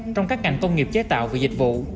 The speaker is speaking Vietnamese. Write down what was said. trong các ngành công nghiệp chế tạo và dịch vụ